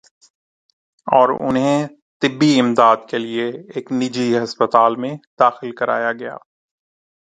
اور انہیں طبی امداد کیلئے ایک نجی ہسپتال میں داخل کرایا گیا